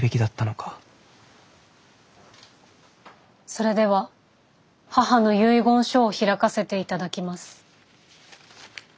それでは母の遺言書を開かせて頂きます。